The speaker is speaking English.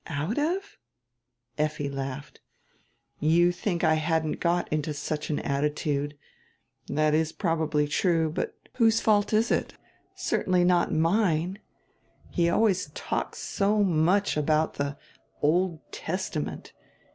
"Out of?" Effi laughed. "You diink I hadn't yet got into such an attitude. That is probably true. But whose fault is it? Certainly not mine. He always talks so much about die Old Testament.